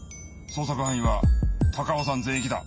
捜索範囲は高尾山全域だ。